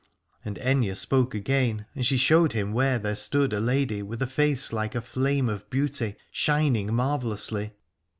And Aithne spoke again, and she showed him where there stood a lady with a face like a flame of beauty, shining marvellously.